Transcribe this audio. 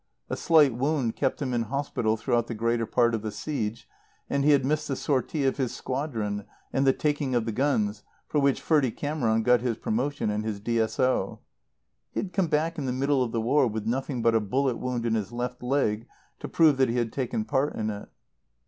A slight wound kept him in hospital throughout the greater part of the siege, and he had missed the sortie of his squadron and the taking of the guns for which Ferdie Cameron got his promotion and his D.S.O. He had come back in the middle of the war with nothing but a bullet wound in his left leg to prove that he had taken part in it.